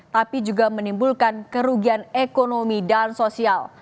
tapi juga menimbulkan kerugian ekonomi dan sosial